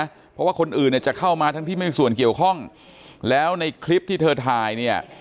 เพราะว่าคนอื่นเนี่ยจะเข้ามาทั้งที่ไม่ส่วนเกี่ยวข้องแล้วในคลิปที่เธอถ่ายเนี่ย